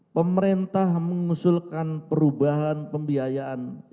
pemerintah mengusulkan perubahan pembiayaan yang tajam